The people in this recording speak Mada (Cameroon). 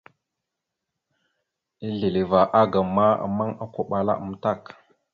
Asleva agam ma, ammaŋ okoɓala amətak.